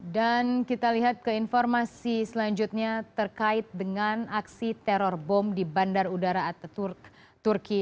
dan kita lihat ke informasi selanjutnya terkait dengan aksi teror bom di bandar udara ataturk turki